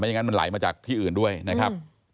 อย่างนั้นมันไหลมาจากที่อื่นด้วยนะครับ